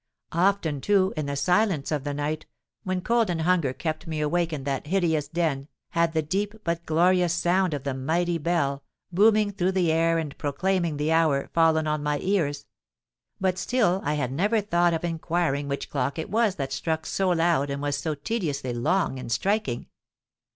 Often, too, in the silence of the night, when cold and hunger kept me awake in that hideous den, had the deep but glorious sound of the mighty bell, booming through the air, and proclaiming the hour, fallen on my ears: but still I had never thought of inquiring which clock it was that struck so loud and was so tediously long in striking.